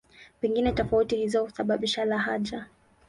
Pengine tofauti hizo husababisha lahaja.